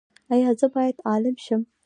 ایا زه باید عالم شم؟